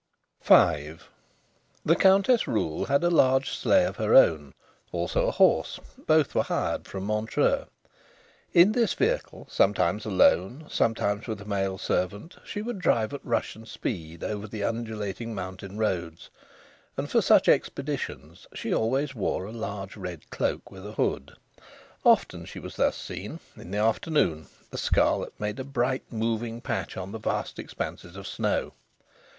V The Countess Ruhl had a large sleigh of her own, also a horse; both were hired from Montreux. In this vehicle, sometimes alone, sometimes with a male servant, she would drive at Russian speed over the undulating mountain roads; and for such expeditions she always wore a large red cloak with a hood. Often she was thus seen, in the afternoon; the scarlet made a bright moving patch on the vast expanses of snow.